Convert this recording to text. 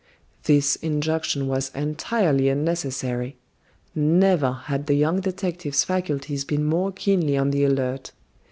This injunction was entirely unnecessary. Never had the young detective's faculties been more keenly on the alert.